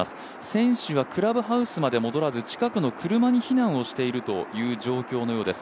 選手はクラブハウスまで戻らず近くの車に避難をしているという状況のようです。